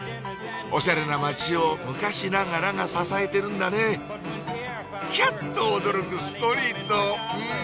おしゃれな街を昔ながらが支えてるんだねキャっと驚くストリートん！